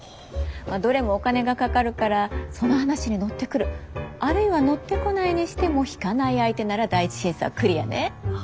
まあどれもお金がかかるからその話に乗ってくるあるいは乗ってこないにしても引かない相手なら第１審査はクリアね。